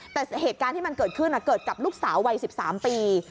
แต่เหตุการณ์ที่มันเกิดขึ้นเกิดกับลูกสาววัย๑๓ปี